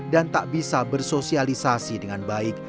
dan tak bisa bersosialisasi dengan baik